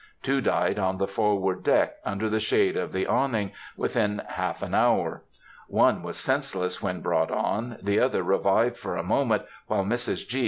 Two died on the forward deck, under the shade of the awning, within half an hour. One was senseless when brought on; the other revived for a moment, while Mrs. G.